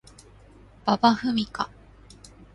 馬場ふみか